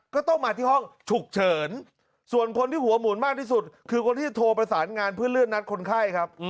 ก็ต้องมาที่ห้องฉุกเฉินส่วนคนที่หัวหมุนมากที่สุดคือคนที่จะโทรประสานงานเพื่อเลื่อนนัดคนไข้ครับ